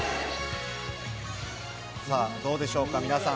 どうでしょうか、皆さん